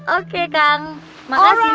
oke kang makasih